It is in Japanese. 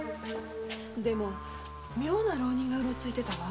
でも妙な浪人がうろついていたわ。